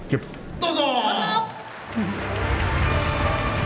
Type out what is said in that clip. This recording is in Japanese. ・どうぞ！